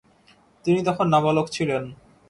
তিনি তখন নাবালক ছিলেন।